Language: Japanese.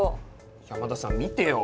山田さん見てよ。